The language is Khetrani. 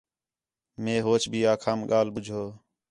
مئے ہوچ بھی آکھام ڳالھ ٻُجّھو